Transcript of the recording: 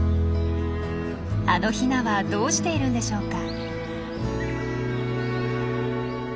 あのヒナはどうしているんでしょうか。